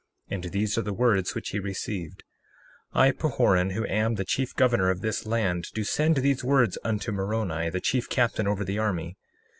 And these are the words which he received: 61:2 I, Pahoran, who am the chief governor of this land, do send these words unto Moroni, the chief captain over the army.